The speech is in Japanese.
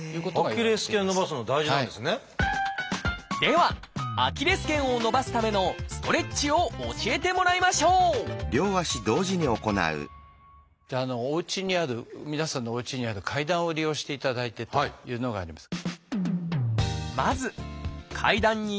ではアキレス腱を伸ばすためのストレッチを教えてもらいましょうじゃあおうちにある皆さんのおうちにある階段を利用していただいてというのがあります。